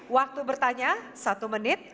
waktu bertanya satu menit